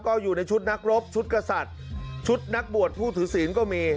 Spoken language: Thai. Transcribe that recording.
ก็อยู่ในชุดนักรบชุดกษัตริย์ชุดนักบวชผู้ถือศีลก็มี